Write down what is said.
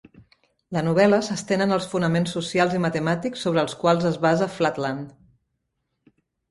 La novel·la s'estén en els fonaments socials i matemàtics sobre els quals es basa "Flatland".